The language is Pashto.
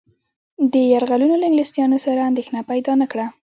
دې یرغلونو له انګلیسيانو سره اندېښنه پیدا نه کړه.